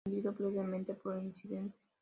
Fue suspendido brevemente por el incidente.